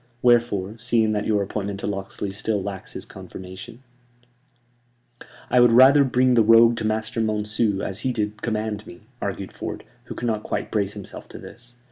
Wherefore, seeing that your appointment to Locksley still lacks his confirmation " "I would rather bring the rogue to Master Monceux, as he did command me," argued Ford, who could not quite brace himself to this.